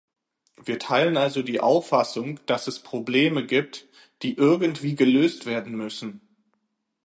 Wir teilen also die Auffassung, dass es Probleme gibt, die irgendwie gelöst werden müssen.